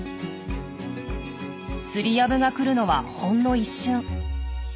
ツリアブが来るのはほんの一瞬。